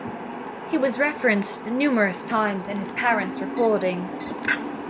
He was referenced numerous times in his parents' recordings.